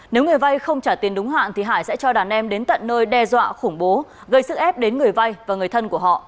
nếu người vay không trả tiền đúng hạn thì hải sẽ cho đàn em đến tận nơi đe dọa khủng bố gây sức ép đến người vay và người thân của họ